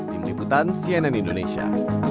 tim liputan cnn indonesia